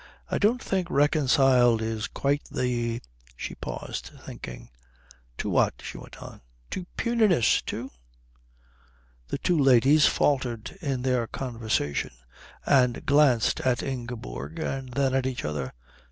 "I don't think reconciled is quite the " She paused, thinking. "To what?" she went on. "To puniness, too?" The two ladies faltered in their conversation, and glanced at Ingeborg, and then at each other.